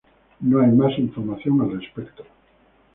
No hay más información al respecto.